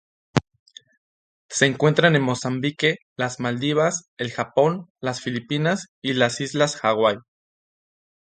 Se encuentran en Mozambique, las Maldivas, el Japón, las Filipinas y las islas Hawaii.